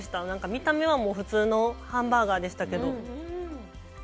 なんか、見た目は普通のハンバーガーでしたけど。